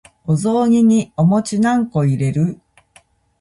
お雑煮にお餅何個入れる？